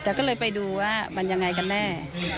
แต่ก็เลยไปดูว่ามันยังไงกันแน่